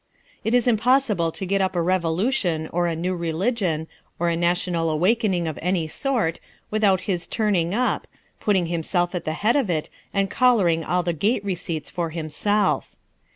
It is impossible to get up a revolution or a new religion, or a national awakening of any sort, without his turning up, putting himself at the head of it and collaring all the gate receipts for himself.